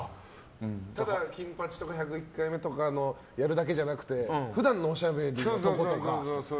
ただ「金八」とか「１０１回目」とかのやるだけじゃなくて普段のおしゃべりのところとか。